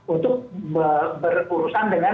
untuk berurusan dengan